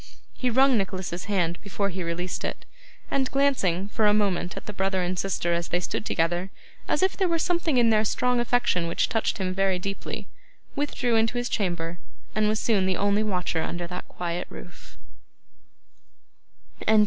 He wrung Nicholas's hand before he released it; and glancing, for a moment, at the brother and sister as they stood together, as if there were something in their strong affection which touched him very deeply, withdrew into his chamber, and was soon the only watcher under that quiet roof.